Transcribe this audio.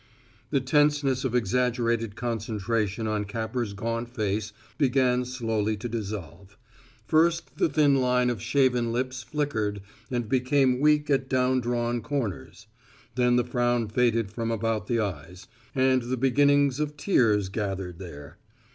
The tenseness of exaggerated concentration on Capper's gaunt face began slowly to dissolve. First the thin line of shaven lips flickered and became weak at down drawn corners; then the frown faded from about the eyes, and the beginnings of tears gathered there.